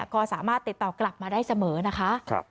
ก็สามารถติดต่อกลับมาได้เสมอนะคะ